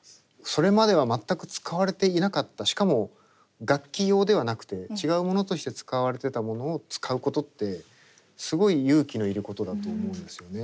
それまでは全く使われていなかったしかも楽器用ではなくて違うものとして使われてたものを使うことってすごい勇気のいることだと思うんですよね。